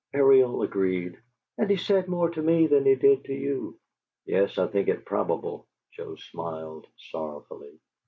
Ariel agreed. "And he said more to me than he did to you." "Yes, I think it probable," Joe smiled sorrowfully.